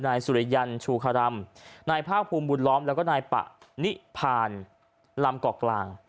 นายสุริยันชูคารำนายภาคภูมิบุญล้อมแล้วก็นายปะนิพานลำเกาะกลาง